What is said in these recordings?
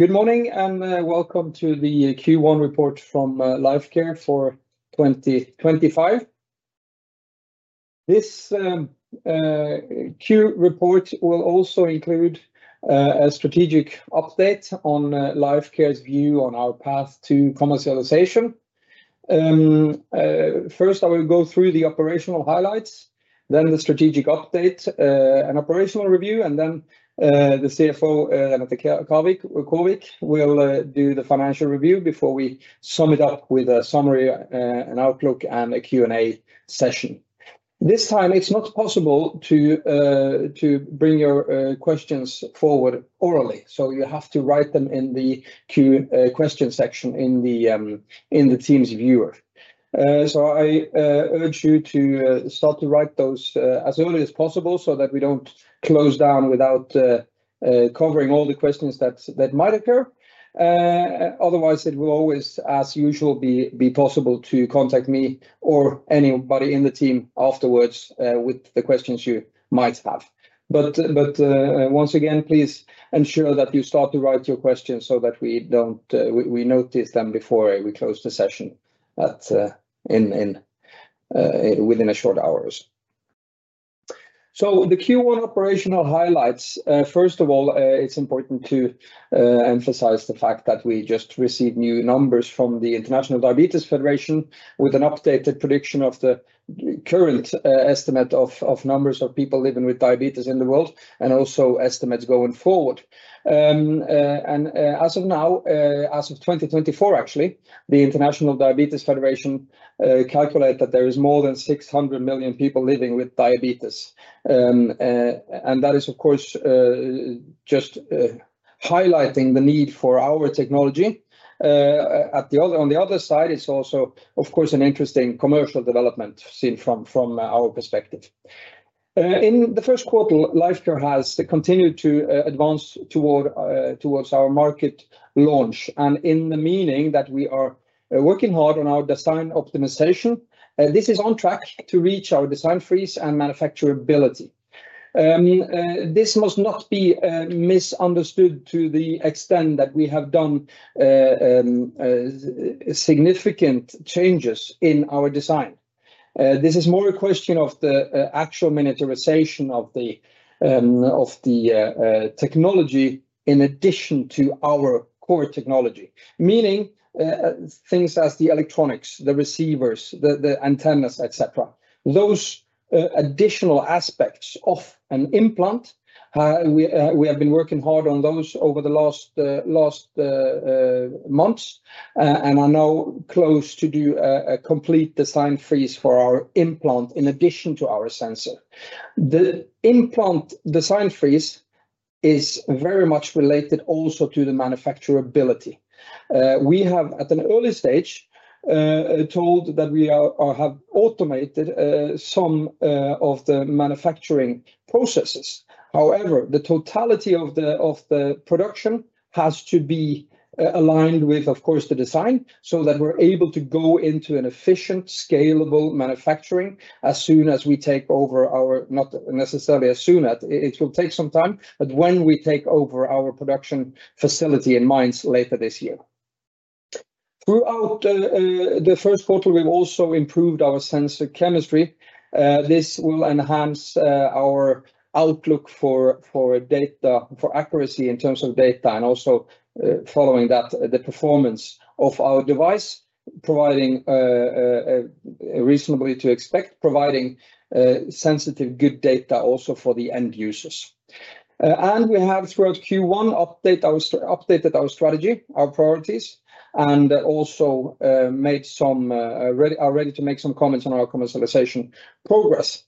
Good morning and welcome to the Q1 report from Lifecare for 2025. This Q report will also include a strategic update on Lifecare's view on our path to commercialization. First, I will go through the operational highlights, then the strategic update, an operational review, and then the CFO, Renete Kaarvik, will do the financial review before we sum it up with a summary, an outlook, and a Q&A session. This time, it's not possible to bring your questions forward orally, so you have to write them in the Q question section in the Teams viewer. I urge you to start to write those as early as possible so that we don't close down without covering all the questions that might occur. Otherwise, it will always, as usual, be possible to contact me or anybody in the team afterwards with the questions you might have. Once again, please ensure that you start to write your questions so that we notice them before we close the session within a short hour or so. The Q1 operational highlights, first of all, it's important to emphasize the fact that we just received new numbers from the International Diabetes Federation with an updated prediction of the current estimate of numbers of people living with diabetes in the world and also estimates going forward. As of now, as of 2024, actually, the International Diabetes Federation calculated that there is more than 600 million people living with diabetes. That is, of course, just highlighting the need for our technology. On the other side, it's also, of course, an interesting commercial development seen from our perspective. In the first quarter, Lifecare has continued to advance towards our market launch. In the meaning that we are working hard on our design optimization, this is on track to reach our design freeze and manufacturability. This must not be misunderstood to the extent that we have done significant changes in our design. This is more a question of the actual miniaturization of the technology in addition to our core technology, meaning things as the electronics, the receivers, the antennas, etc. Those additional aspects of an implant, we have been working hard on those over the last months, and are now close to do a complete design freeze for our implant in addition to our sensor. The implant design freeze is very much related also to the manufacturability. We have, at an early stage, told that we have automated some of the manufacturing processes. However, the totality of the production has to be aligned with, of course, the design so that we're able to go into an efficient, scalable manufacturing as soon as we take over our—not necessarily as soon as it will take some time, but when we take over our production facility in Mainz later this year. Throughout the first quarter, we've also improved our sensor chemistry. This will enhance our outlook for accuracy in terms of data and also following that, the performance of our device, reasonably to expect, providing sensitive, good data also for the end users. We have, throughout Q1, updated our strategy, our priorities, and also are ready to make some comments on our commercialization progress.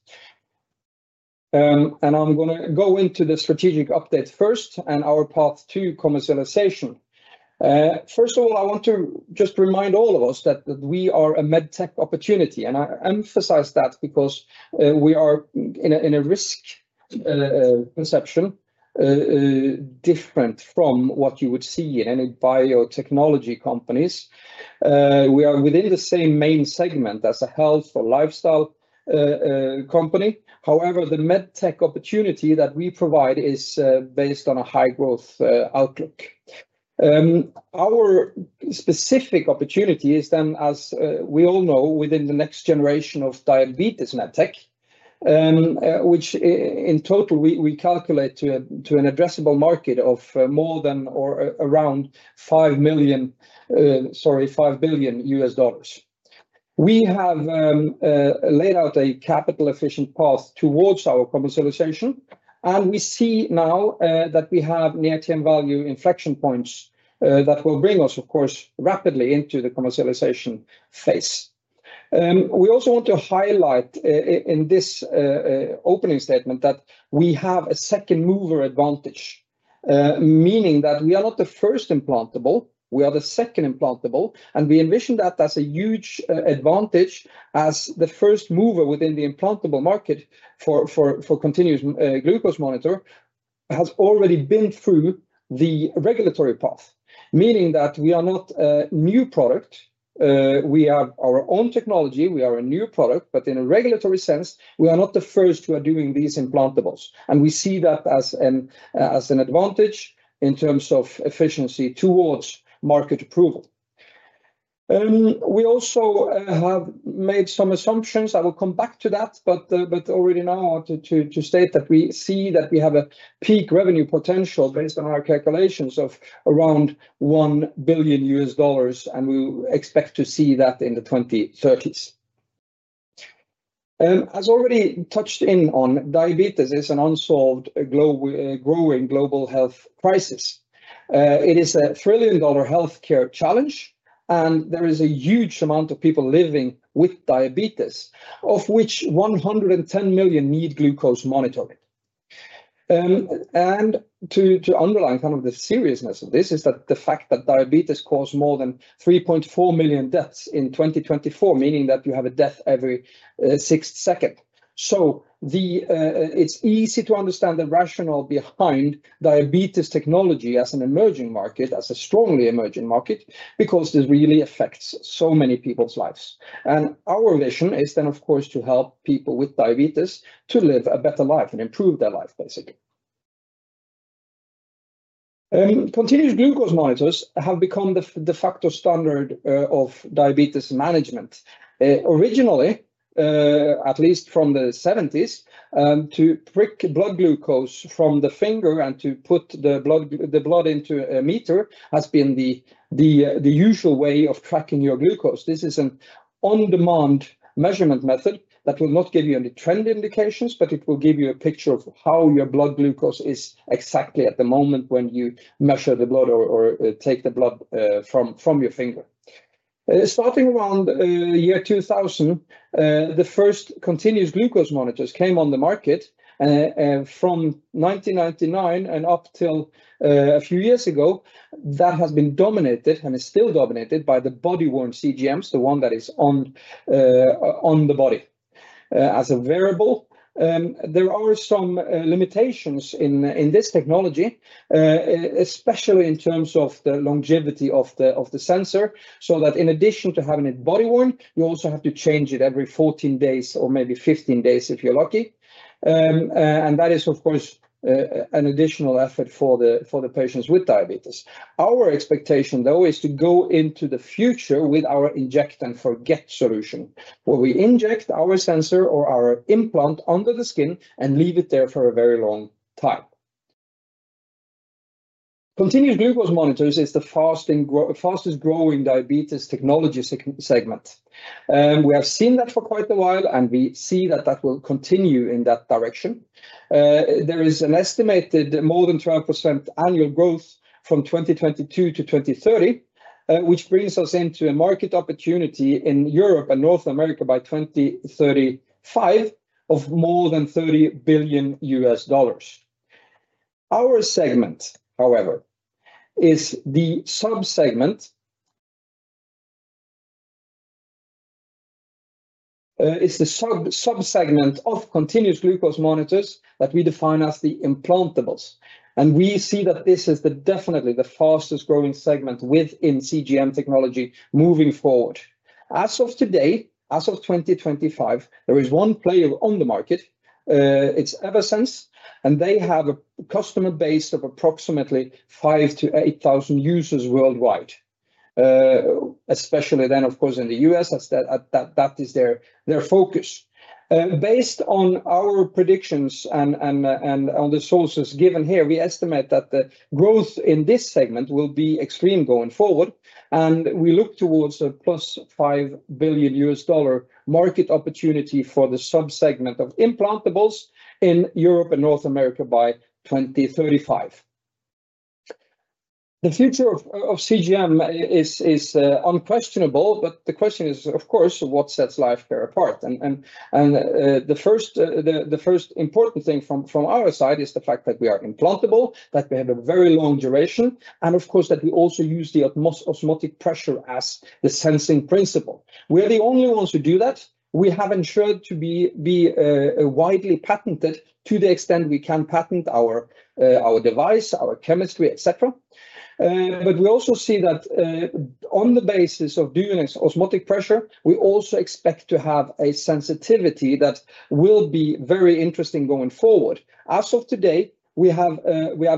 I'm going to go into the strategic update first and our path to commercialization. First of all, I want to just remind all of us that we are a Medtech opportunity. I emphasize that because we are in a risk perception different from what you would see in any biotechnology companies. We are within the same main segment as a health or lifestyle company. However, the Medtech opportunity that we provide is based on a high-growth outlook. Our specific opportunity is then, as we all know, within the next generation of diabetes Medtech, which in total we calculate to an addressable market of more than or around $5 billion. We have laid out a capital-efficient path towards our commercialization, and we see now that we have near-term value inflection points that will bring us, of course, rapidly into the commercialization phase. We also want to highlight in this opening statement that we have a second-mover advantage, meaning that we are not the first implantable; we are the second implantable. We envision that as a huge advantage as the first mover within the implantable market for continuous glucose monitor has already been through the regulatory path, meaning that we are not a new product. We have our own technology; we are a new product, but in a regulatory sense, we are not the first who are doing these implantables. We see that as an advantage in terms of efficiency towards market approval. We also have made some assumptions. I will come back to that, but already now to state that we see that we have a peak revenue potential based on our calculations of around $1 billion, and we expect to see that in the 2030s. As already touched in on, diabetes is an unsolved growing global health crisis. It is a trillion-dollar healthcare challenge, and there is a huge amount of people living with diabetes, of which 110 million need glucose monitoring. To underline kind of the seriousness of this is that the fact that diabetes caused more than 3.4 million deaths in 2024, meaning that you have a death every sixth second. It is easy to understand the rationale behind diabetes technology as an emerging market, as a strongly emerging market, because this really affects so many people's lives. Our vision is then, of course, to help people with diabetes to live a better life and improve their life, basically. Continuous glucose monitors have become the de facto standard of diabetes management. Originally, at least from the 1970s, to prick blood glucose from the finger and to put the blood into a meter has been the usual way of tracking your glucose. This is an on-demand measurement method that will not give you any trend indications, but it will give you a picture of how your blood glucose is exactly at the moment when you measure the blood or take the blood from your finger. Starting around the year 2000, the first continuous glucose monitors came on the market, and from 1999 and up till a few years ago, that has been dominated and is still dominated by the body-worn CGMs, the one that is on the body. As a variable, there are some limitations in this technology, especially in terms of the longevity of the sensor, so that in addition to having it body-worn, you also have to change it every 14 days or maybe 15 days if you're lucky. That is, of course, an additional effort for the patients with diabetes. Our expectation, though, is to go into the future with our inject-and-forget solution, where we inject our sensor or our implant under the skin and leave it there for a very long time. Continuous glucose monitors is the fastest growing diabetes technology segment. We have seen that for quite a while, and we see that that will continue in that direction. There is an estimated more than 12% annual growth from 2022 to 2030, which brings us into a market opportunity in Europe and North America by 2035 of more than $30 billion. Our segment, however, is the subsegment of continuous glucose monitors that we define as the implantables. We see that this is definitely the fastest growing segment within CGM technology moving forward. As of today, as of 2025, there is one player on the market. It's Eversense, and they have a customer base of approximately 5,000-8,000 users worldwide, especially then, of course, in the U.S., as that is their focus. Based on our predictions and on the sources given here, we estimate that the growth in this segment will be extreme going forward, and we look towards a $5 billion market opportunity for the subsegment of implantables in Europe and North America by 2035. The future of CGM is unquestionable, but the question is, of course, what sets Lifecare apart. The first important thing from our side is the fact that we are implantable, that we have a very long duration, and of course, that we also use the osmotic pressure as the sensing principle. We are the only ones who do that. We have ensured to be widely patented to the extent we can patent our device, our chemistry, etc. We also see that on the basis of doing osmotic pressure, we also expect to have a sensitivity that will be very interesting going forward. As of today, we have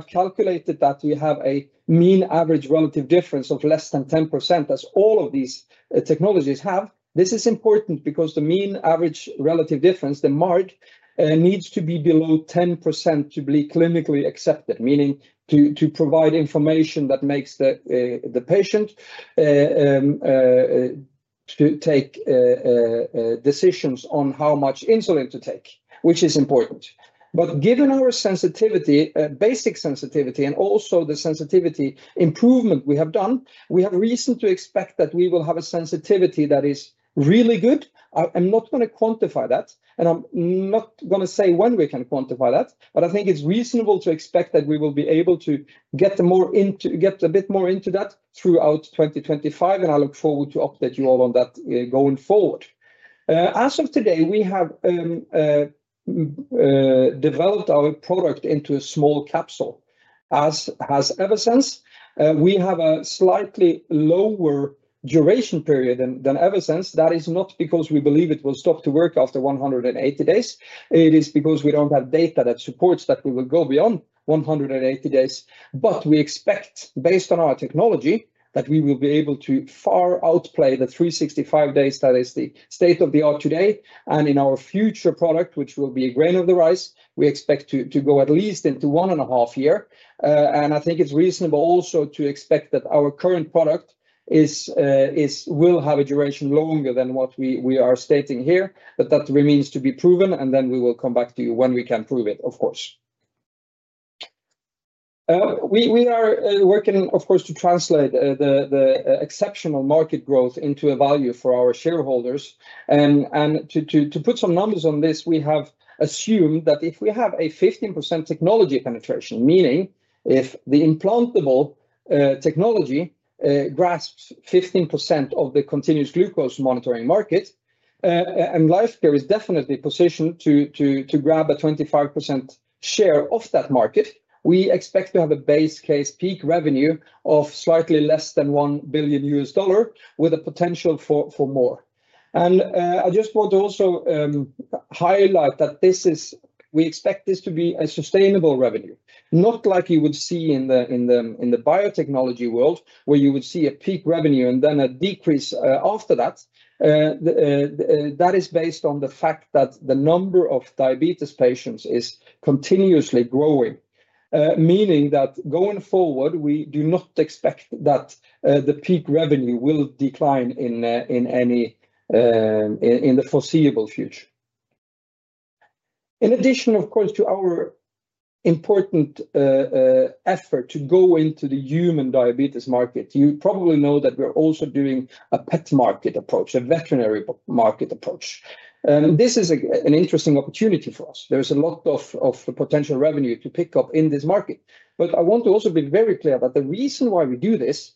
calculated that we have a mean absolute relative difference of less than 10%, as all of these technologies have. This is important because the mean absolute relative difference, the MARD, needs to be below 10% to be clinically accepted, meaning to provide information that makes the patient take decisions on how much insulin to take, which is important. Given our sensitivity, basic sensitivity, and also the sensitivity improvement we have done, we have reason to expect that we will have a sensitivity that is really good. I'm not going to quantify that, and I'm not going to say when we can quantify that, but I think it's reasonable to expect that we will be able to get a bit more into that throughout 2025, and I look forward to update you all on that going forward. As of today, we have developed our product into a small capsule, as has Eversense. We have a slightly lower duration period than Eversense. That is not because we believe it will stop to work after 180 days. It is because we don't have data that supports that we will go beyond 180 days. We expect, based on our technology, that we will be able to far outplay the 365 days that is the state of the art today. In our future product, which will be a grain of rice, we expect to go at least into one and a half years. I think it is reasonable also to expect that our current product will have a duration longer than what we are stating here, but that remains to be proven, and we will come back to you when we can prove it, of course. We are working, of course, to translate the exceptional market growth into a value for our shareholders. To put some numbers on this, we have assumed that if we have a 15% technology penetration, meaning if the implantable technology grasps 15% of the continuous glucose monitoring market, and Lifecare is definitely positioned to grab a 25% share of that market, we expect to have a base case peak revenue of slightly less than $1 billion with a potential for more. I just want to also highlight that we expect this to be a sustainable revenue, not like you would see in the biotechnology world, where you would see a peak revenue and then a decrease after that. That is based on the fact that the number of diabetes patients is continuously growing, meaning that going forward, we do not expect that the peak revenue will decline in the foreseeable future. In addition, of course, to our important effort to go into the human diabetes market, you probably know that we're also doing a pet market approach, a veterinary market approach. This is an interesting opportunity for us. There is a lot of potential revenue to pick up in this market. I want to also be very clear that the reason why we do this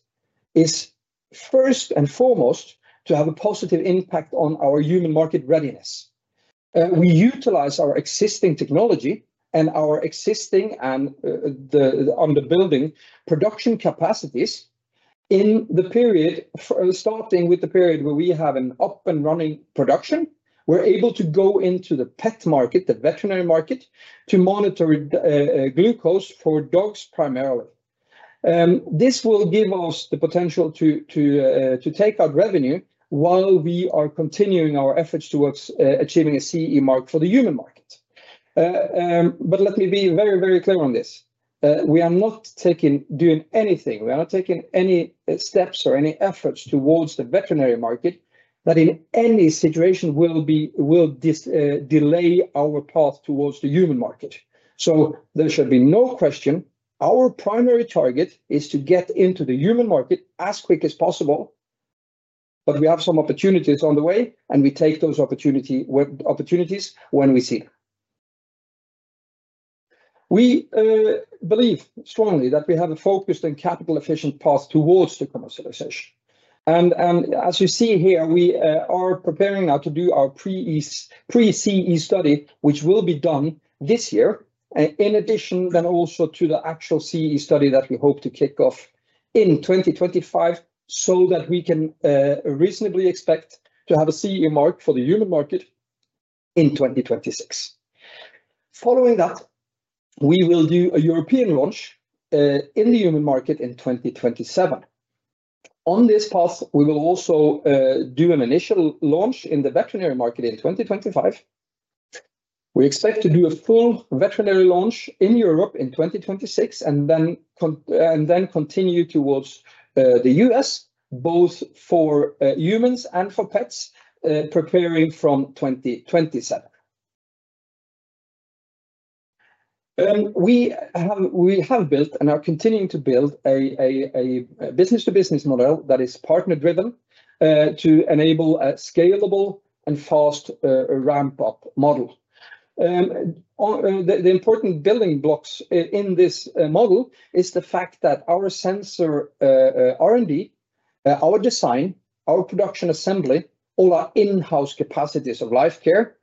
is first and foremost to have a positive impact on our human market readiness. We utilize our existing technology and our existing and on the building production capacities in the period starting with the period where we have an up and running production. We're able to go into the pet market, the veterinary market, to monitor glucose for dogs primarily. This will give us the potential to take out revenue while we are continuing our efforts towards achieving a CE mark for the human market. Let me be very, very clear on this. We are not doing anything. We are not taking any steps or any efforts towards the veterinary market that in any situation will delay our path towards the human market. There should be no question. Our primary target is to get into the human market as quick as possible. We have some opportunities on the way, and we take those opportunities when we see them. We believe strongly that we have a focused and capital-efficient path towards the commercialization. As you see here, we are preparing now to do our pre-CE study, which will be done this year, in addition then also to the actual CE study that we hope to kick off in 2025 so that we can reasonably expect to have a CE mark for the human market in 2026. Following that, we will do a European launch in the human market in 2027. On this path, we will also do an initial launch in the veterinary market in 2025. We expect to do a full veterinary launch in Europe in 2026 and then continue towards the U.S., both for humans and for pets, preparing from 2027. We have built and are continuing to build a business-to-business model that is partner-driven to enable a scalable and fast ramp-up model. The important building blocks in this model is the fact that our sensor R&D, our design, our production assembly, all are in-house capacities of Lifecare.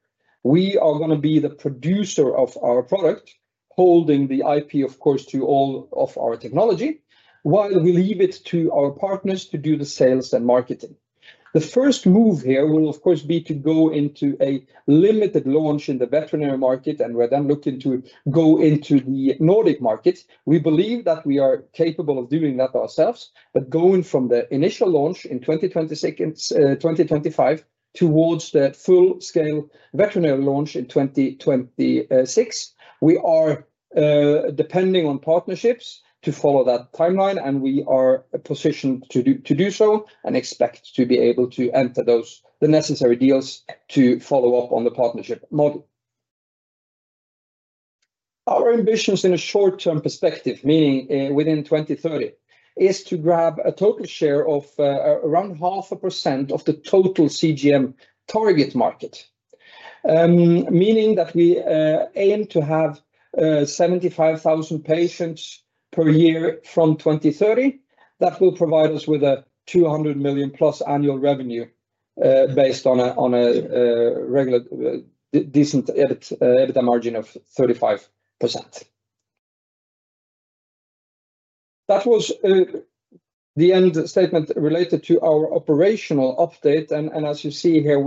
We are going to be the producer of our product, holding the IP, of course, to all of our technology, while we leave it to our partners to do the sales and marketing. The first move here will, of course, be to go into a limited launch in the veterinary market, and we're then looking to go into the Nordic market. We believe that we are capable of doing that ourselves, but going from the initial launch in 2025 towards the full-scale veterinary launch in 2026, we are depending on partnerships to follow that timeline, and we are positioned to do so and expect to be able to enter the necessary deals to follow up on the partnership model. Our ambitions in a short-term perspective, meaning within 2030, is to grab a total share of around half a percent of the total CGM target market, meaning that we aim to have 75,000 patients per year from 2030. That will provide us with a $200 million plus annual revenue based on a decent EBITDA margin of 35%. That was the end statement related to our operational update. As you see here,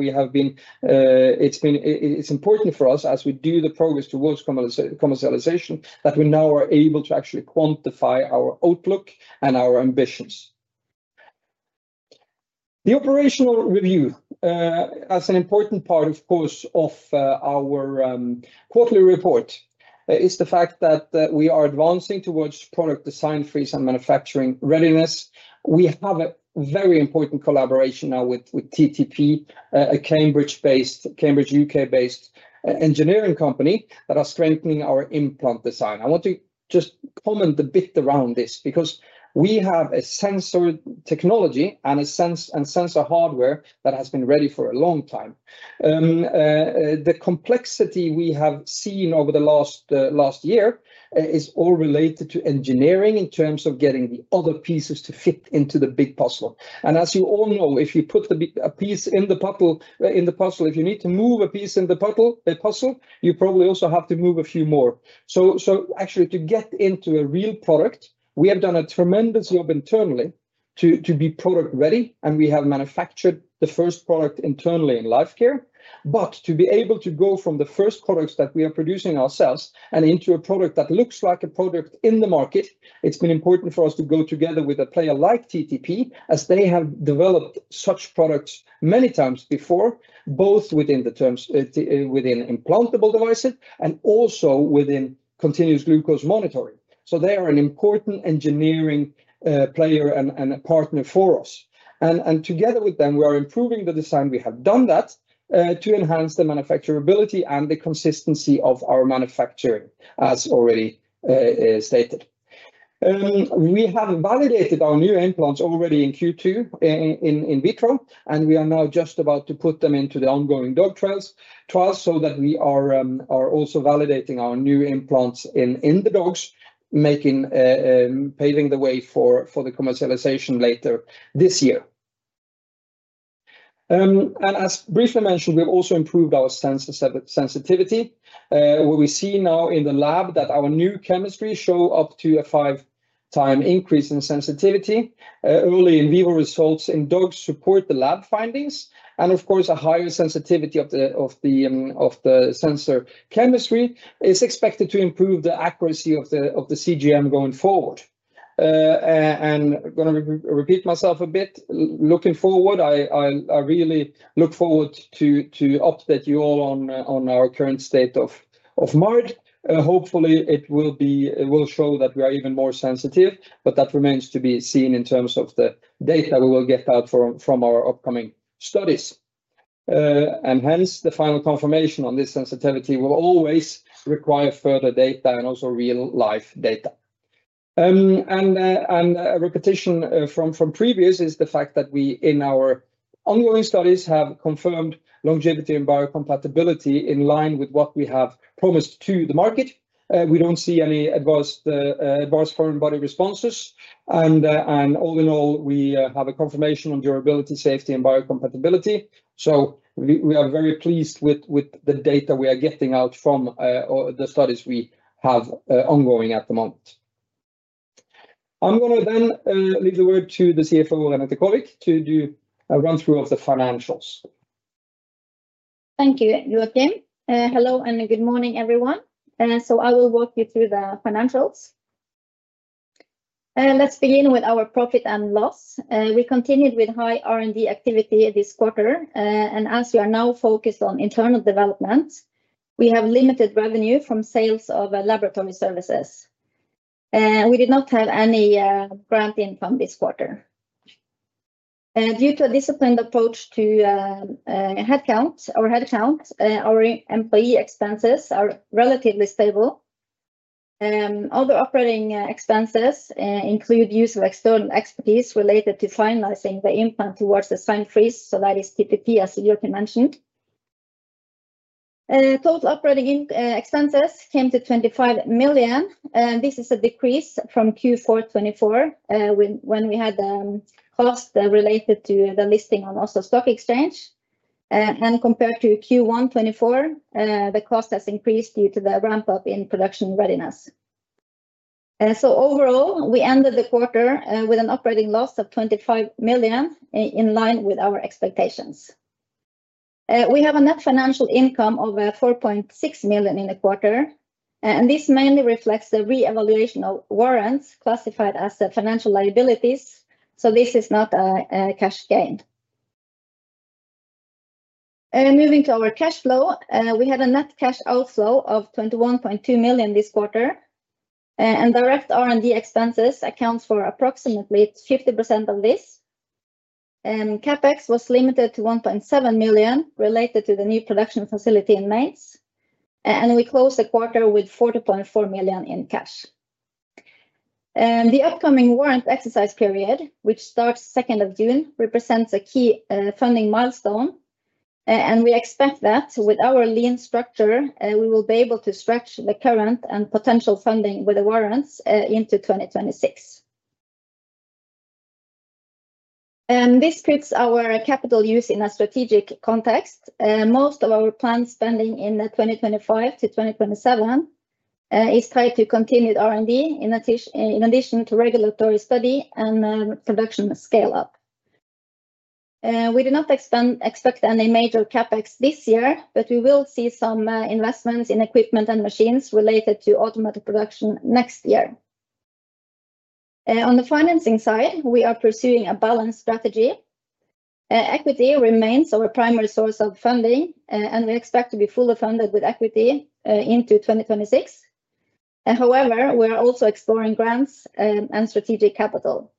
it's important for us, as we do the progress towards commercialization, that we now are able to actually quantify our outlook and our ambitions. The operational review, as an important part, of course, of our quarterly report, is the fact that we are advancing towards product design freeze and manufacturing readiness. We have a very important collaboration now with TTP, a Cambridge UK-based engineering company that are strengthening our implant design. I want to just comment a bit around this because we have a sensor technology and sensor hardware that has been ready for a long time. The complexity we have seen over the last year is all related to engineering in terms of getting the other pieces to fit into the big puzzle. As you all know, if you put a piece in the puzzle, if you need to move a piece in the puzzle, you probably also have to move a few more. Actually, to get into a real product, we have done a tremendous job internally to be product-ready, and we have manufactured the first product internally in Lifecare. To be able to go from the first products that we are producing ourselves and into a product that looks like a product in the market, it's been important for us to go together with a player like TTP, as they have developed such products many times before, both within implantable devices and also within continuous glucose monitoring. They are an important engineering player and partner for us. Together with them, we are improving the design. We have done that to enhance the manufacturability and the consistency of our manufacturing, as already stated. We have validated our new implants already in Q2 in vitro, and we are now just about to put them into the ongoing dog trials so that we are also validating our new implants in the dogs, paving the way for the commercialization later this year. As briefly mentioned, we've also improved our sensitivity. We see now in the lab that our new chemistry showed up to a five-time increase in sensitivity. Early in vivo results in dogs support the lab findings. Of course, a higher sensitivity of the sensor chemistry is expected to improve the accuracy of the CGM going forward. I'm going to repeat myself a bit. Looking forward, I really look forward to update you all on our current state of March. Hopefully, it will show that we are even more sensitive, but that remains to be seen in terms of the data we will get out from our upcoming studies. The final confirmation on this sensitivity will always require further data and also real-life data. A repetition from previous is the fact that we, in our ongoing studies, have confirmed longevity and biocompatibility in line with what we have promised to the market. We do not see any adverse foreign body responses. All in all, we have a confirmation on durability, safety, and biocompatibility. We are very pleased with the data we are getting out from the studies we have ongoing at the moment. I am going to then leave the word to the CFO and the colleague to do a run-through of the financials. Thank you, Joacim. Hello and good morning, everyone. I will walk you through the financials. Let's begin with our profit and loss. We continued with high R&D activity this quarter. As we are now focused on internal development, we have limited revenue from sales of laboratory services. We did not have any grant income this quarter. Due to a disciplined approach to headcount, our employee expenses are relatively stable. Other operating expenses include use of external expertise related to finalizing the implant towards the signed freeze, so that is TTP, as Joacim mentioned. Total operating expenses came to 25 million. This is a decrease from Q4 2024 when we had cost related to the listing on Oslo Stock Exchange. Compared to Q1 2024, the cost has increased due to the ramp-up in production readiness. Overall, we ended the quarter with an operating loss of 25 million in line with our expectations. We have a net financial income of 4.6 million in the quarter. This mainly reflects the re-evaluation of warrants classified as financial liabilities. This is not a cash gain. Moving to our cash flow, we had a net cash outflow of 21.2 million this quarter. Direct R&D expenses account for approximately 50% of this. CapEx was limited to 1.7 million related to the new production facility in Mainz. We closed the quarter with 40.4 million in cash. The upcoming warrant exercise period, which starts 2nd of June, represents a key funding milestone. We expect that with our lean structure, we will be able to stretch the current and potential funding with the warrants into 2026. This fits our capital use in a strategic context. Most of our planned spending in 2025 to 2027 is tied to continued R&D in addition to regulatory study and production scale-up. We do not expect any major CapEx this year, but we will see some investments in equipment and machines related to automatic production next year. On the financing side, we are pursuing a balanced strategy. Equity remains our primary source of funding, and we expect to be fully funded with equity into 2026. However, we are also exploring grants and strategic capital.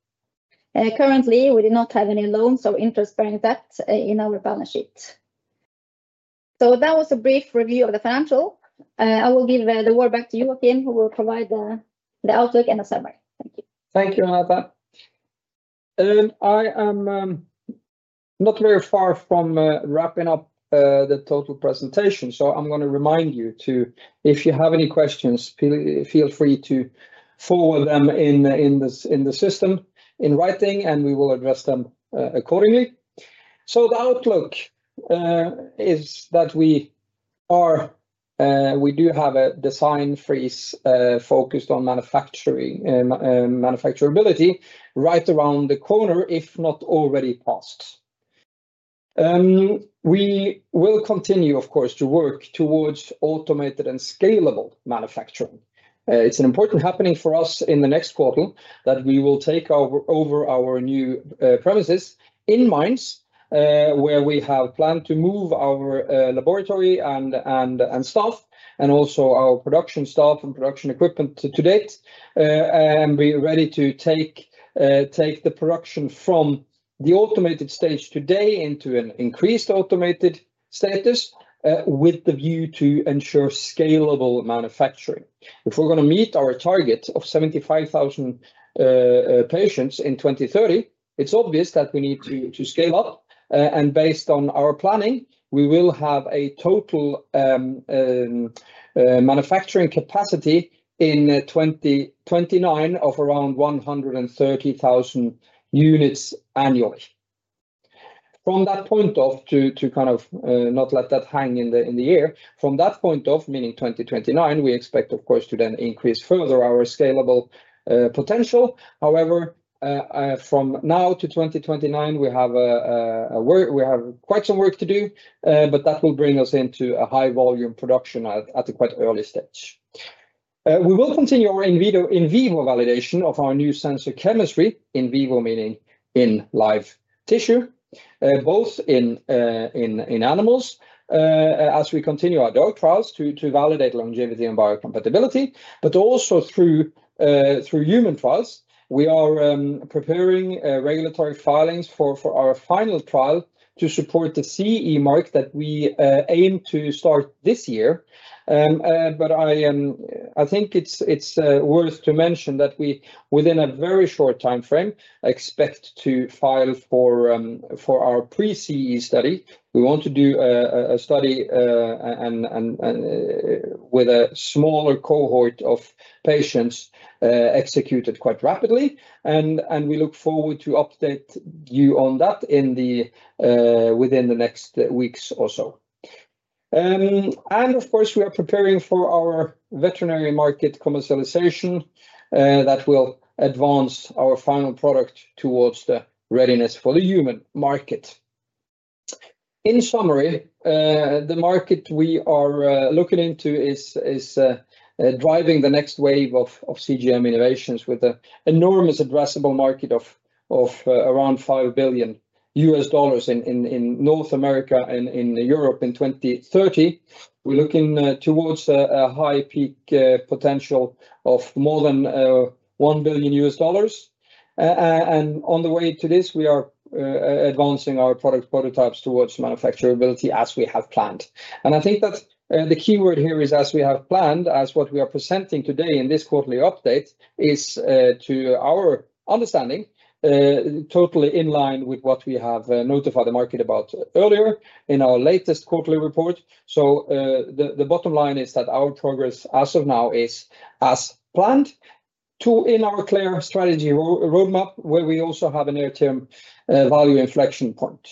Currently, we do not have any loans or interest-bearing debt in our balance sheet. That was a brief review of the financial. I will give the word back to you, Joacim, who will provide the outlook and the summary. Thank you. Thank you, Renate. I am not very far from wrapping up the total presentation. I'm going to remind you to, if you have any questions, feel free to forward them in the system in writing, and we will address them accordingly. The outlook is that we do have a design freeze focused on manufacturability right around the corner, if not already passed. We will continue, of course, to work towards automated and scalable manufacturing. It's an important happening for us in the next quarter that we will take over our new premises in Mainz, where we have planned to move our laboratory and staff, and also our production staff and production equipment to date. We will be ready to take the production from the automated stage today into an increased automated status with the view to ensure scalable manufacturing. If we're going to meet our target of 75,000 patients in 2030, it's obvious that we need to scale up. Based on our planning, we will have a total manufacturing capacity in 2029 of around 130,000 units annually. From that point, to kind of not let that hang in the air, from that point, meaning 2029, we expect, of course, to then increase further our scalable potential. However, from now to 2029, we have quite some work to do, but that will bring us into a high-volume production at a quite early stage. We will continue our in vivo validation of our new sensor chemistry, in vivo meaning in live tissue, both in animals as we continue our dog trials to validate longevity and biocompatibility, but also through human trials. We are preparing regulatory filings for our final trial to support the CE mark that we aim to start this year. I think it's worth to mention that we, within a very short time frame, expect to file for our pre-CE study. We want to do a study with a smaller cohort of patients executed quite rapidly. We look forward to update you on that within the next weeks or so. Of course, we are preparing for our veterinary market commercialization that will advance our final product towards the readiness for the human market. In summary, the market we are looking into is driving the next wave of CGM innovations with an enormous addressable market of around $5 billion in North America and in Europe in 2030. We're looking towards a high peak potential of more than $1 billion. On the way to this, we are advancing our product prototypes towards manufacturability as we have planned. I think that the keyword here is, as we have planned, as what we are presenting today in this quarterly update is, to our understanding, totally in line with what we have notified the market about earlier in our latest quarterly report. The bottom line is that our progress as of now is as planned to in our clear strategy roadmap, where we also have a near-term value inflection point.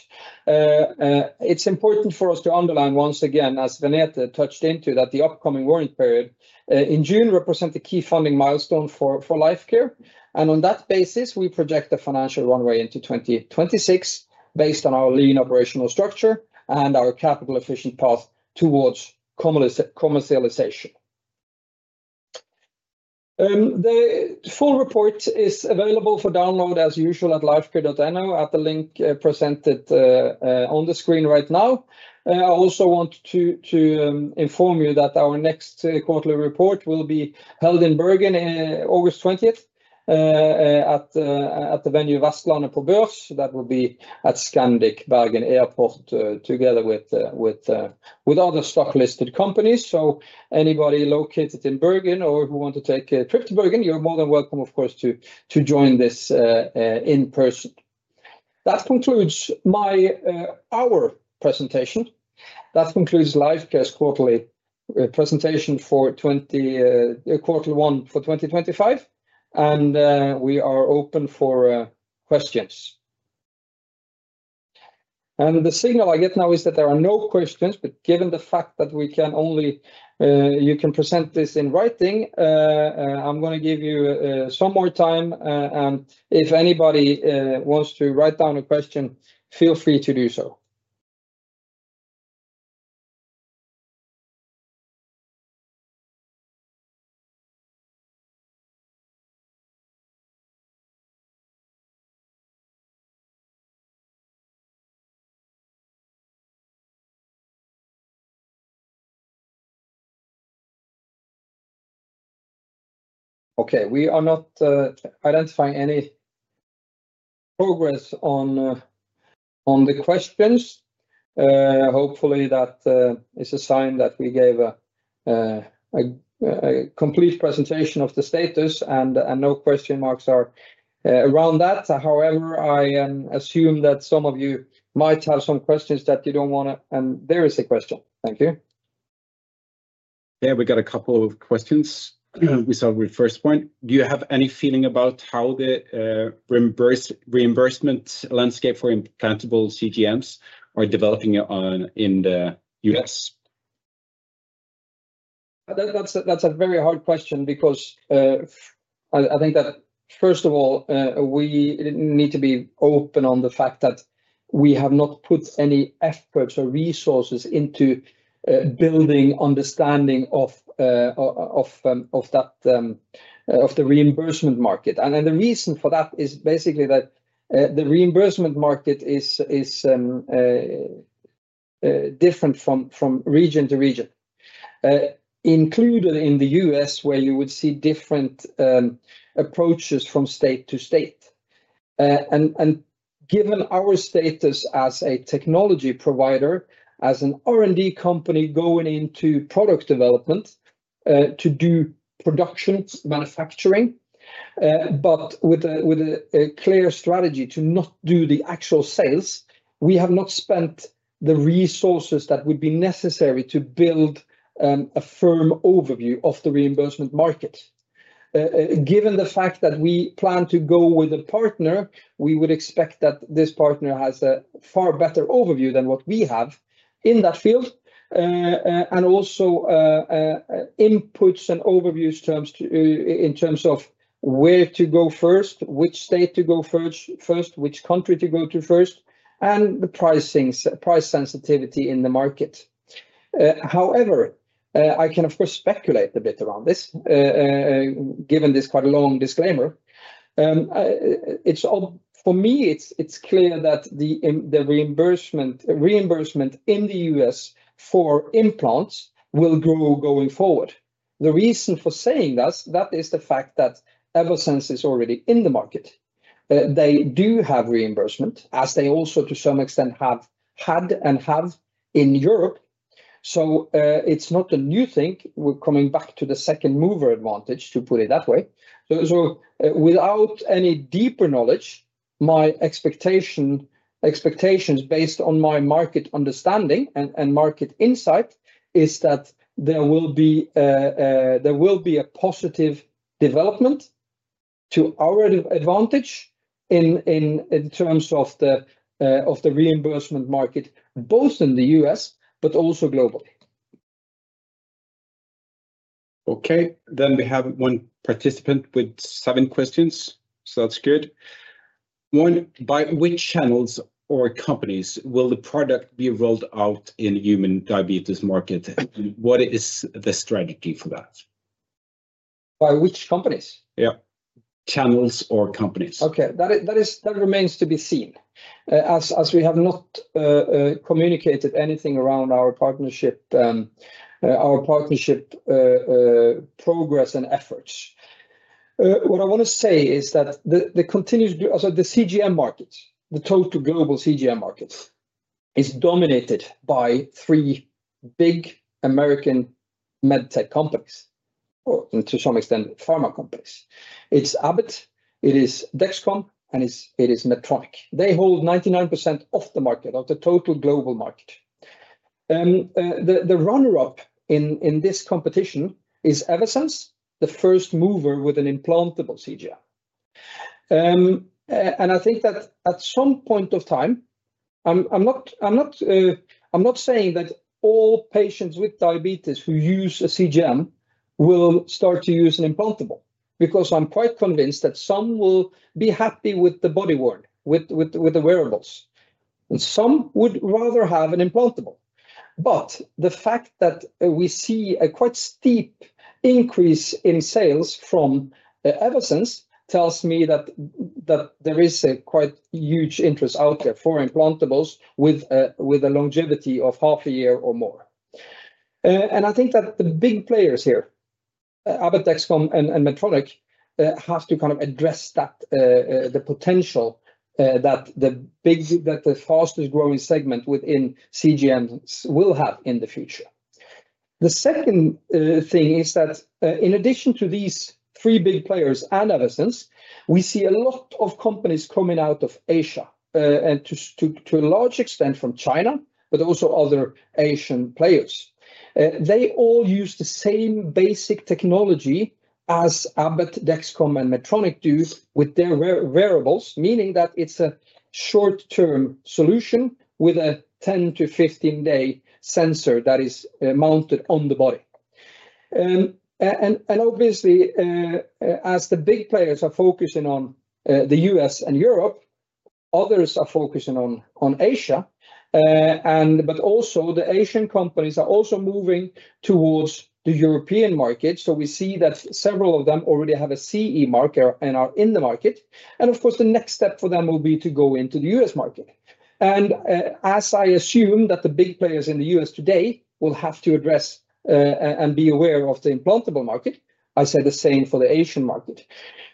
It's important for us to underline once again, as Renate touched into, that the upcoming warrant period in June represents a key funding milestone for Lifecare. On that basis, we project a financial runway into 2026 based on our lean operational structure and our capital-efficient path towards commercialization. The full report is available for download as usual at lifecare.no at the link presented on the screen right now. I also want to inform you that our next quarterly report will be held in Bergen on August 20 at the venue Vastland & Provers. That will be at Scandic Bergen Airport together with other stock-listed companies. So anybody located in Bergen or who wants to take a trip to Bergen, you're more than welcome, of course, to join this in person. That concludes our presentation. That concludes Lifecare's quarterly presentation for quarter one for 2025. We are open for questions. The signal I get now is that there are no questions. Given the fact that you can present this in writing, I'm going to give you some more time. If anybody wants to write down a question, feel free to do so. Okay, we are not identifying any progress on the questions. Hopefully, that is a sign that we gave a complete presentation of the status and no question marks around that. However, I assume that some of you might have some questions that you do not want to, and there is a question. Thank you. Yeah, we got a couple of questions. We start with the first point. Do you have any feeling about how the reimbursement landscape for implantable CGMs are developing in the US? That is a very hard question because I think that, first of all, we need to be open on the fact that we have not put any efforts or resources into building understanding of the reimbursement market. The reason for that is basically that the reimbursement market is different from region to region, included in the U.S., where you would see different approaches from state to state. Given our status as a technology provider, as an R&D company going into product development to do production manufacturing, but with a clear strategy to not do the actual sales, we have not spent the resources that would be necessary to build a firm overview of the reimbursement market. Given the fact that we plan to go with a partner, we would expect that this partner has a far better overview than what we have in that field, and also inputs and overviews in terms of where to go first, which state to go first, which country to go to first, and the price sensitivity in the market. However, I can, of course, speculate a bit around this, given this quite a long disclaimer. For me, it is clear that the reimbursement in the U.S. for implants will grow going forward. The reason for saying that is the fact that Eversense is already in the market. They do have reimbursement, as they also, to some extent, have had and have in Europe. It is not a new thing. We are coming back to the second mover advantage, to put it that way. Without any deeper knowledge, my expectations based on my market understanding and market insight is that there will be a positive development to our advantage in terms of the reimbursement market, both in the U.S. but also globally. Okay, we have one participant with seven questions. That is good. One, by which channels or companies will the product be rolled out in the human diabetes market? And what is the strategy for that? By which companies? Yeah. Channels or companies. That remains to be seen, as we have not communicated anything around our partnership progress and efforts. What I want to say is that the CGM market, the total global CGM market, is dominated by three big American Medtech companies, or to some extent, pharma companies. It's Abbott. It is Dexcom, and it is Medtronic. They hold 99% of the market, of the total global market. The runner-up in this competition is Eversense, the first mover with an implantable CGM. I think that at some point of time, I'm not saying that all patients with diabetes who use a CGM will start to use an implantable because I'm quite convinced that some will be happy with the body worn, with the wearables. Some would rather have an implantable. The fact that we see a quite steep increase in sales from Eversense tells me that there is a quite huge interest out there for implantables with a longevity of half a year or more. I think that the big players here, Abbott, Dexcom, and Medtronic, have to kind of address the potential that the fastest growing segment within CGMs will have in the future. The second thing is that in addition to these three big players and Eversense, we see a lot of companies coming out of Asia and, to a large extent, from China, but also other Asian players. They all use the same basic technology as Abbott, Dexcom, and Medtronic do with their wearables, meaning that it's a short-term solution with a 10-15 day sensor that is mounted on the body. Obviously, as the big players are focusing on the U.S. and Europe, others are focusing on Asia. Also, the Asian companies are also moving towards the European market. We see that several of them already have a CE mark and are in the market. Of course, the next step for them will be to go into the U.S. market. As I assume that the big players in the U.S. today will have to address and be aware of the implantable market, I say the same for the Asian market,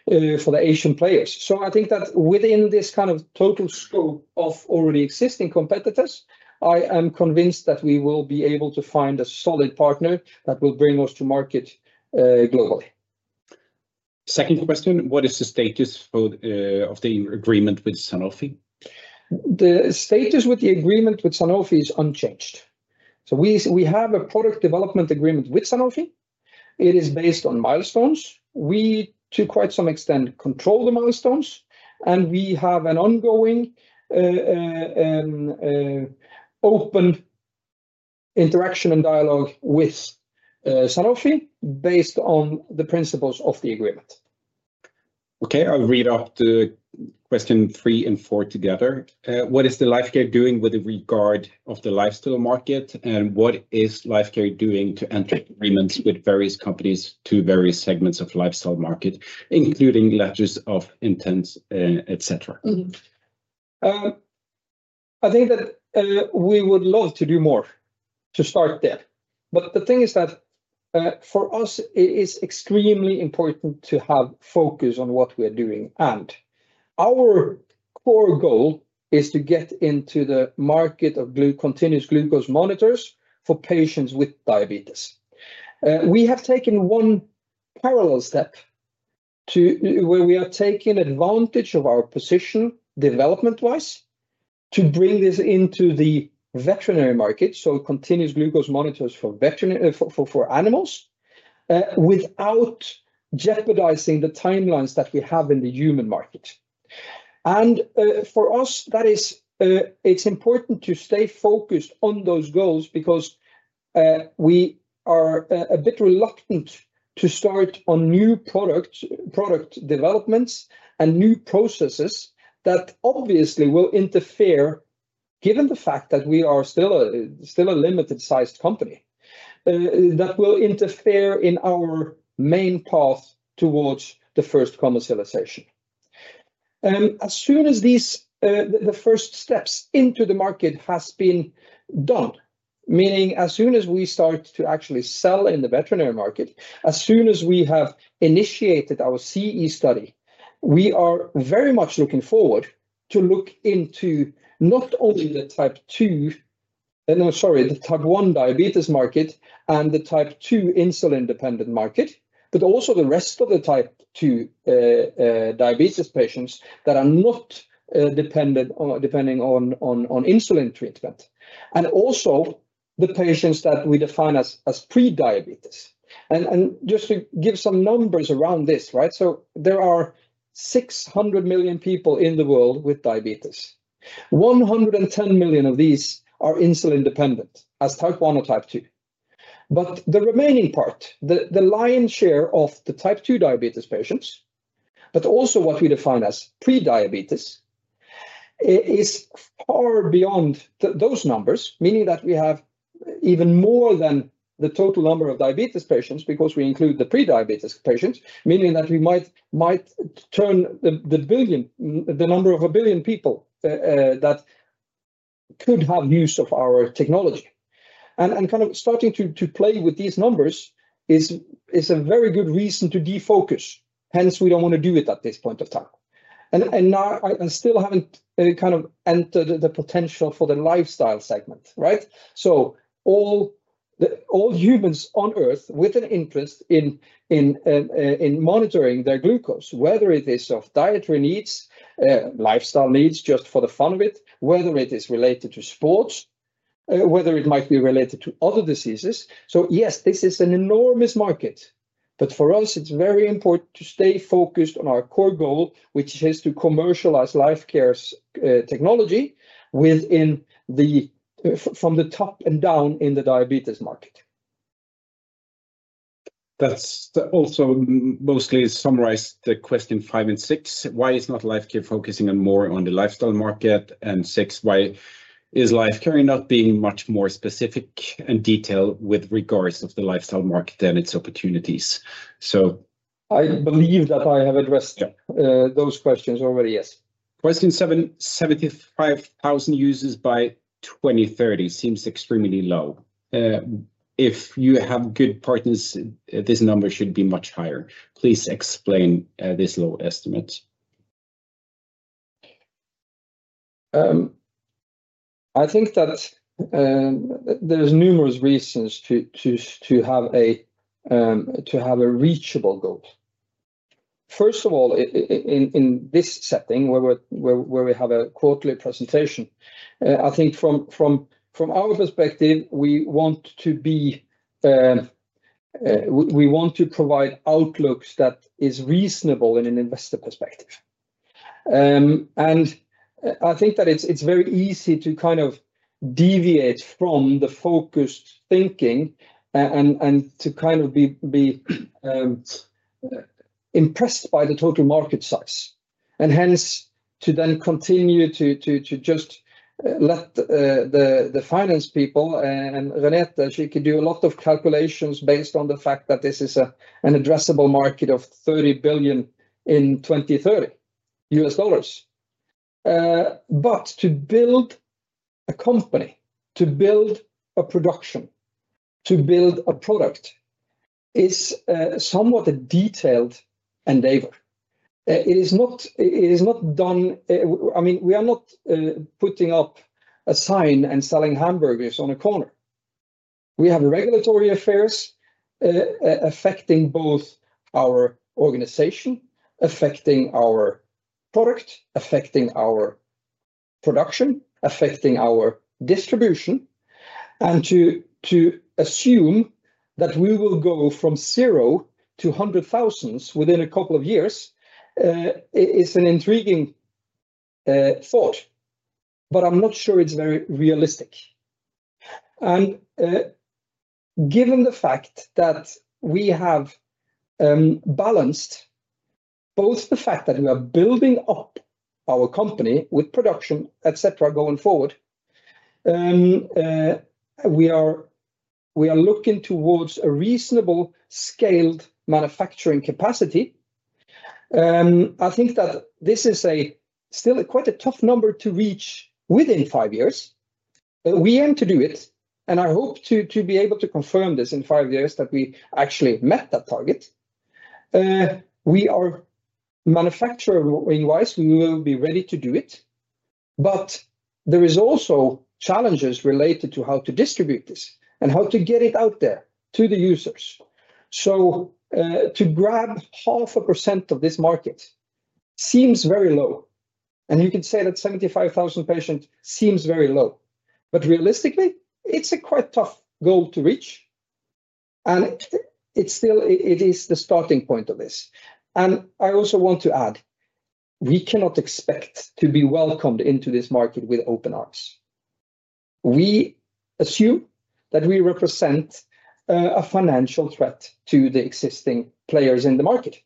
for the Asian players. I think that within this kind of total scope of already existing competitors, I am convinced that we will be able to find a solid partner that will bring us to market globally. Second question, what is the status of the agreement with Sanofi? The status with the agreement with Sanofi is unchanged. We have a product development agreement with Sanofi. It is based on milestones. We, to quite some extent, control the milestones. We have an ongoing open interaction and dialogue with Sanofi based on the principles of the agreement. Okay, I'll read off the question three and four together. What is Lifecare doing with regard to the lifestyle market? What is Lifecare doing to enter agreements with various companies to various segments of the lifestyle market, including letters of intent, etc.? I think that we would love to do more to start there. The thing is that for us, it is extremely important to have focus on what we are doing. Our core goal is to get into the market of continuous glucose monitors for patients with diabetes. We have taken one parallel step where we are taking advantage of our position development-wise to bring this into the veterinary market, so continuous glucose monitors for animals, without jeopardizing the timelines that we have in the human market. For us, it's important to stay focused on those goals because we are a bit reluctant to start on new product developments and new processes that obviously will interfere, given the fact that we are still a limited-sized company, that will interfere in our main path towards the first commercialization. As soon as the first steps into the market have been done, meaning as soon as we start to actually sell in the veterinary market, as soon as we have initiated our CE study, we are very much looking forward to look into not only the type 2, sorry, the type 1 diabetes market and the type 2 insulin-dependent market, but also the rest of the type 2 diabetes patients that are not depending on insulin treatment, and also the patients that we define as prediabetes. Just to give some numbers around this, right? There are 600 million people in the world with diabetes. 110 million of these are insulin-dependent as type 1 or type 2. The remaining part, the lion's share of the type 2 diabetes patients, but also what we define as prediabetes, is far beyond those numbers, meaning that we have even more than the total number of diabetes patients because we include the prediabetes patients, meaning that we might turn the number of a billion people that could have use of our technology. Kind of starting to play with these numbers is a very good reason to defocus. Hence, we do not want to do it at this point of time. I still have not kind of entered the potential for the lifestyle segment, right? All humans on Earth with an interest in monitoring their glucose, whether it is of dietary needs, lifestyle needs just for the fun of it, whether it is related to sports, whether it might be related to other diseases. Yes, this is an enormous market. For us, it is very important to stay focused on our core goal, which is to commercialize Lifecare's technology from the top and down in the diabetes market. That also mostly summarized question five and six. Why is Lifecare not focusing more on the lifestyle market? And six, why is Lifecare not being much more specific and detailed with regards to the lifestyle market and its opportunities? I believe that I have addressed those questions already, yes. Question seven, 75,000 users by 2030 seems extremely low. If you have good partners, this number should be much higher. Please explain this low estimate. I think that there are numerous reasons to have a reachable goal. First of all, in this setting, where we have a quarterly presentation, I think from our perspective, we want to provide outlooks that are reasonable in an investor perspective. I think that it's very easy to kind of deviate from the focused thinking and to kind of be impressed by the total market size. Hence, to then continue to just let the finance people and Renate, she could do a lot of calculations based on the fact that this is an addressable market of $30 billion in 2030 US dollars. To build a company, to build a production, to build a product is somewhat a detailed endeavor. It is not done, I mean, we are not putting up a sign and selling hamburgers on a corner. We have regulatory affairs affecting both our organization, affecting our product, affecting our production, affecting our distribution. To assume that we will go from zero to 100,000 within a couple of years is an intriguing thought, but I'm not sure it's very realistic. Given the fact that we have balanced both the fact that we are building up our company with production, etc., going forward, we are looking towards a reasonable scaled manufacturing capacity. I think that this is still quite a tough number to reach within five years. We aim to do it, and I hope to be able to confirm this in five years that we actually met that target. Manufacturing-wise, we will be ready to do it. There are also challenges related to how to distribute this and how to get it out there to the users. To grab 0.5% of this market seems very low. You can say that 75,000 patients seems very low. Realistically, it is a quite tough goal to reach. It is the starting point of this. I also want to add, we cannot expect to be welcomed into this market with open arms. We assume that we represent a financial threat to the existing players in the market.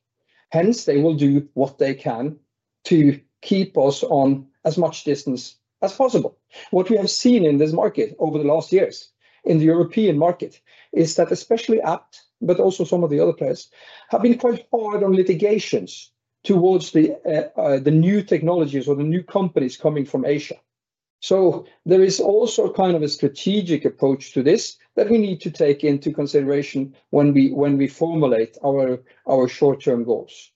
Hence, they will do what they can to keep us on as much distance as possible. What we have seen in this market over the last years in the European market is that especially Abbott, but also some of the other players, have been quite hard on litigations towards the new technologies or the new companies coming from Asia. There is also kind of a strategic approach to this that we need to take into consideration when we formulate our short-term goals.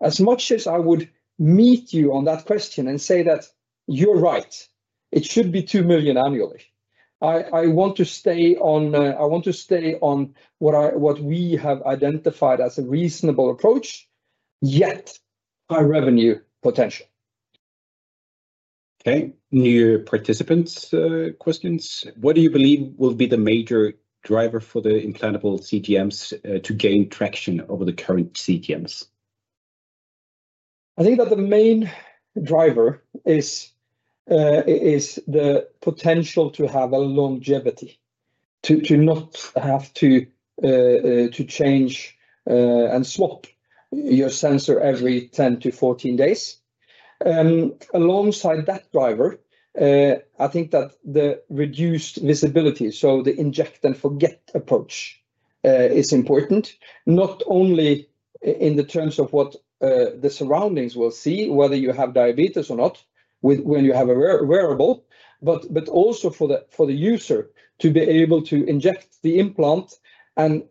As much as I would meet you on that question and say that you're right, it should be $2 million annually, I want to stay on what we have identified as a reasonable approach, yet high revenue potential. Okay. New participant questions. What do you believe will be the major driver for the implantable CGMs to gain traction over the current CGMs? I think that the main driver is the potential to have a longevity, to not have to change and swap your sensor every 10-14 days. Alongside that driver, I think that the reduced visibility, so the inject-and-forget approach, is important, not only in the terms of what the surroundings will see, whether you have diabetes or not when you have a wearable, but also for the user to be able to inject the implant and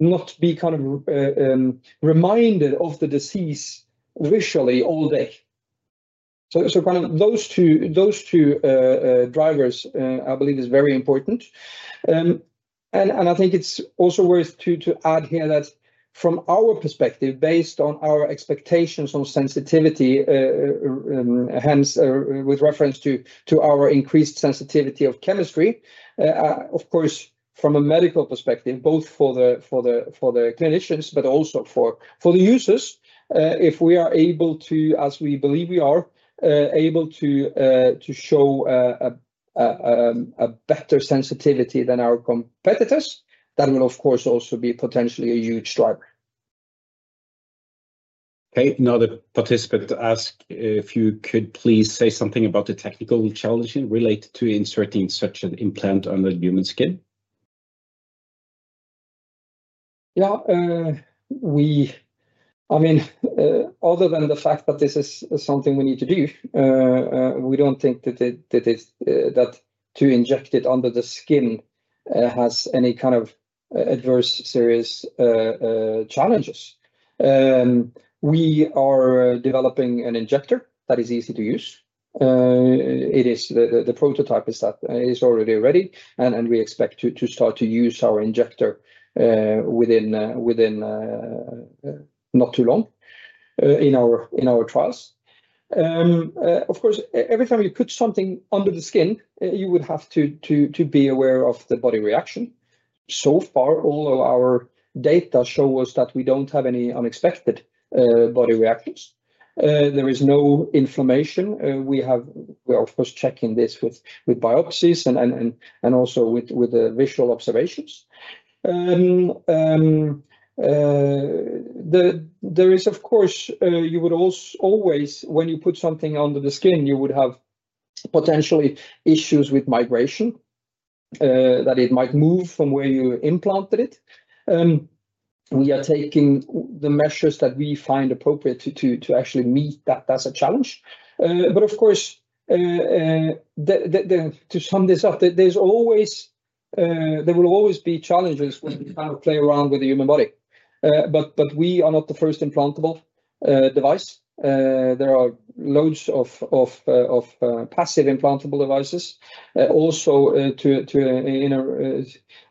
not be kind of reminded of the disease visually all day. Kind of those two drivers, I believe, are very important. I think it is also worth to add here that from our perspective, based on our expectations on sensitivity, hence with reference to our increased sensitivity of chemistry, of course, from a medical perspective, both for the clinicians but also for the users, if we are able to, as we believe we are, able to show a better sensitivity than our competitors, that will, of course, also be potentially a huge driver. Okay. Another participant asked if you could please say something about the technical challenges related to inserting such an implant under human skin. Yeah. I mean, other than the fact that this is something we need to do, we do not think that to inject it under the skin has any kind of adverse serious challenges. We are developing an injector that is easy to use. The prototype is already ready, and we expect to start to use our injector within not too long in our trials. Of course, every time you put something under the skin, you would have to be aware of the body reaction. So far, all of our data show us that we do not have any unexpected body reactions. There is no inflammation. We are, of course, checking this with biopsies and also with visual observations. There is, of course, you would always, when you put something under the skin, you would have potentially issues with migration, that it might move from where you implanted it. We are taking the measures that we find appropriate to actually meet that as a challenge. Of course, to sum this up, there will always be challenges when we kind of play around with the human body. We are not the first implantable device. There are loads of passive implantable devices, also to an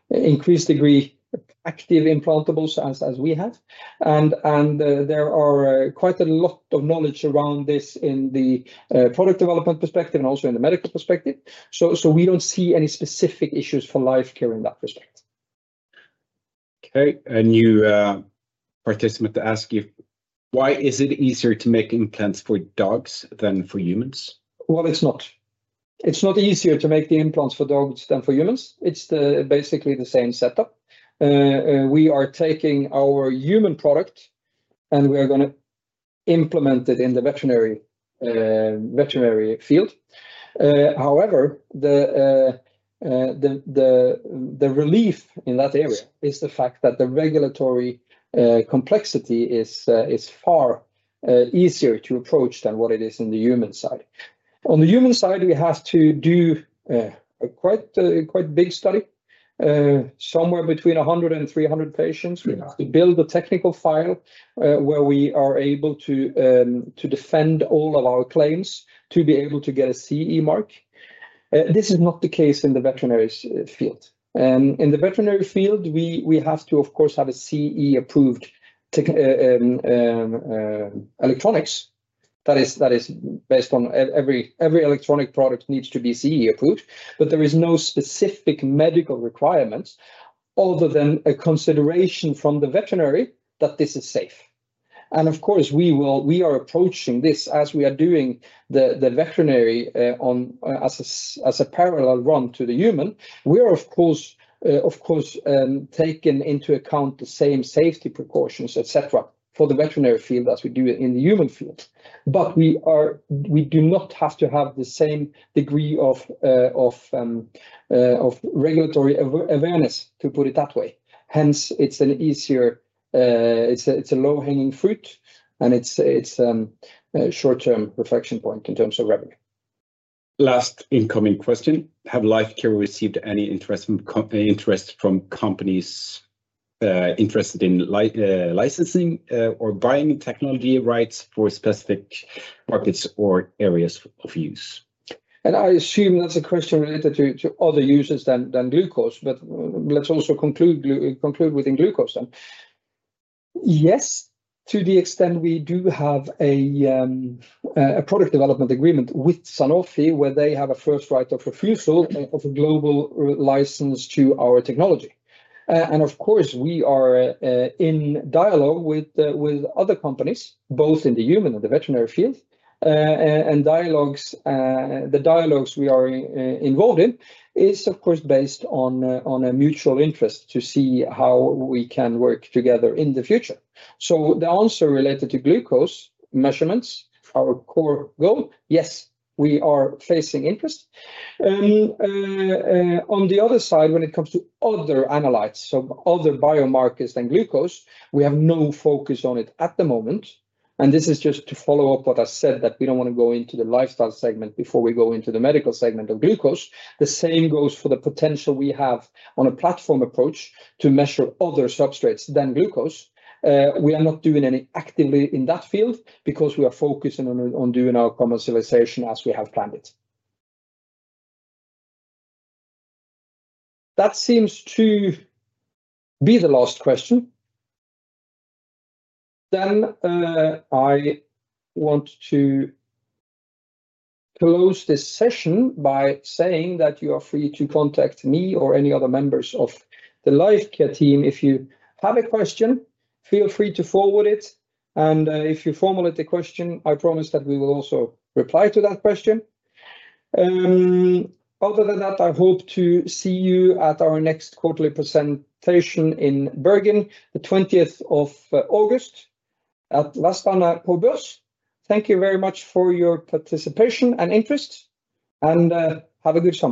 increased degree active implantables as we have. There is quite a lot of knowledge around this in the product development perspective and also in the medical perspective. We do not see any specific issues for Lifecare in that respect. Okay. A new participant asked if why is it easier to make implants for dogs than for humans? It is not. It's not easier to make the implants for dogs than for humans. It's basically the same setup. We are taking our human product, and we are going to implement it in the veterinary field. However, the relief in that area is the fact that the regulatory complexity is far easier to approach than what it is in the human side. On the human side, we have to do a quite big study, somewhere between 100 and 300 patients. We have to build a technical file where we are able to defend all of our claims to be able to get a CE mark. This is not the case in the veterinary field. In the veterinary field, we have to, of course, have a CE-approved electronics. That is based on every electronic product needs to be CE-approved. There is no specific medical requirement other than a consideration from the veterinary that this is safe. Of course, we are approaching this as we are doing the veterinary as a parallel run to the human. We are, of course, taking into account the same safety precautions, etc., for the veterinary field as we do in the human field. We do not have to have the same degree of regulatory awareness, to put it that way. Hence, it is an easier, it is a low-hanging fruit, and it is a short-term reflection point in terms of revenue. Last incoming question. Have Lifecare received any interest from companies interested in licensing or buying technology rights for specific markets or areas of use? I assume that is a question related to other users than glucose, but let's also conclude within glucose then. Yes, to the extent we do have a product development agreement with Sanofi where they have a first right of refusal of a global license to our technology. Of course, we are in dialogue with other companies, both in the human and the veterinary field. The dialogues we are involved in are, of course, based on a mutual interest to see how we can work together in the future. The answer related to glucose measurements, our core goal, yes, we are facing interest. On the other side, when it comes to other analytes, so other biomarkers than glucose, we have no focus on it at the moment. This is just to follow up what I said, that we do not want to go into the lifestyle segment before we go into the medical segment of glucose. The same goes for the potential we have on a platform approach to measure other substrates than glucose. We are not doing any actively in that field because we are focusing on doing our commercialization as we have planned it. That seems to be the last question. I want to close this session by saying that you are free to contact me or any other members of the Lifecare team if you have a question. Feel free to forward it. If you formulate the question, I promise that we will also reply to that question. Other than that, I hope to see you at our next quarterly presentation in Bergen, the 20th of August, at Vastland & Provers. Thank you very much for your participation and interest. Have a good summer.